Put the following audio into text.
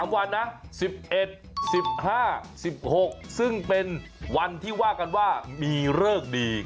๓วันนะ๑๑๑๕๑๖ซึ่งเป็นวันที่ว่ากันว่ามีเลิกดี